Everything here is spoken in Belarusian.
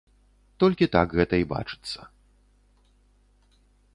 Толькі так гэта і бачыцца.